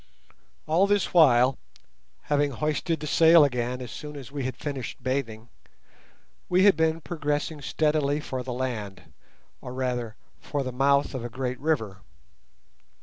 All this while, having hoisted the sail again as soon as we had finished bathing, we had been progressing steadily for the land, or, rather, for the mouth of a great river.